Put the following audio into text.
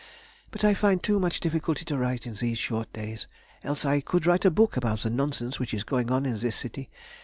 But I find too much difficulty to write in these short days, else I could write a book about the nonsense which is going on in this city.